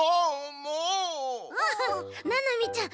あっななみちゃん